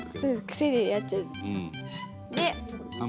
癖でやっちゃう。